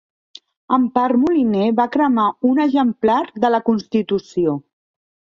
Empar Moliner va cremar un exemplar de la constitució